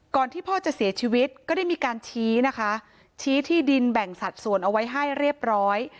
ที่พ่อจะเสียชีวิตก็ได้มีการชี้นะคะชี้ที่ดินแบ่งสัดส่วนเอาไว้ให้เรียบร้อย